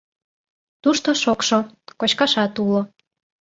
Тушто шокшо, кочкашат уло.